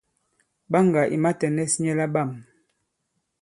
Ɓaŋgà ì matɛ̀nɛs nyɛ laɓâm.